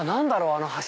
あの橋。